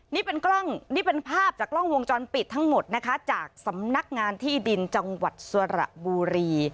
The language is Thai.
นี่เป็นกล้องนี่เป็นภาพจากกล้องวงจรปิดทั้งหมดนะคะจากสำนักงานที่ดินจังหวัดสระบุรี